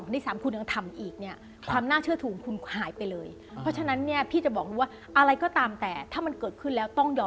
เลนน่าเกียจมากเลย